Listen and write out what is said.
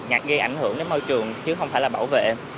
nhạc gây ảnh hưởng đến môi trường chứ không phải là bảo vệ